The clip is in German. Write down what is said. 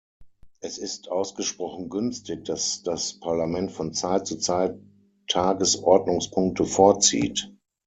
Es ist ausgesprochen günstig, dass das Parlament von Zeit zu Zeit Tagesordnungspunkte vorzieht.